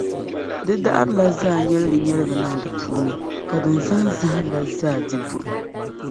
di daɣiri zaa nyɛligi niŋ di puuni, ka din zahimzahim la zaa di buɣim.